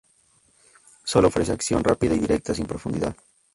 Sólo ofrece acción rápida y directa, sin profundidad".